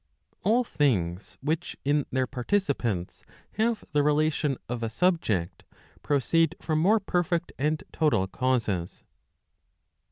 All things which in their participants have the relation of a subject, proceed from more perfect and total causes.